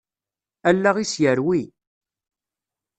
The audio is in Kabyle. Allaɣ-is yerwi.